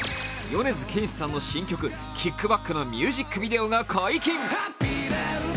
米津玄師さんの新曲「ＫＩＣＫＢＡＣＫ」のミュージックビデオが解禁。